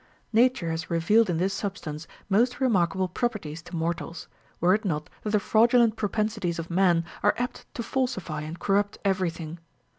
Nature has revealed in this substance most remarkable properties to mortals, were it not that the fraudulent propensities of man are apt to falsify and corrupt everything.